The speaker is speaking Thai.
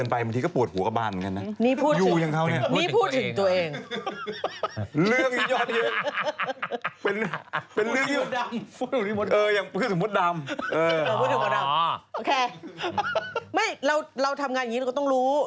ไม่เราทำงานอย่างนี้เราก็ต้องรู้